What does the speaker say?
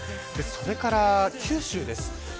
それから九州です。